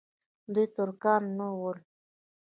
دوی ترکان نه ول.